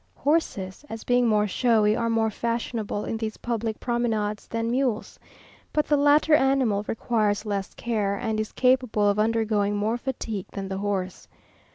Horses, as being more showy, are more fashionable in these public promenades than mules; but the latter animal requires less care, and is capable of undergoing more fatigue than the horse.